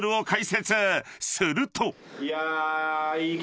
［すると］